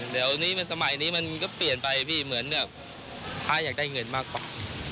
เดี๋ยวสมัยนี้มันก็เปลี่ยนไปพระอยากได้เงินมากกว่า